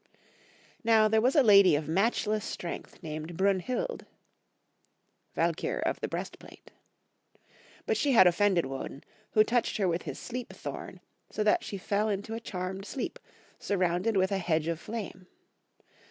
Now there was a lady of matchless strength named Brunhild;* but she had offended Woden, who touched her with his sleep thorn, so that she fell into a charmed sleep, surrounded with a hedge of flame.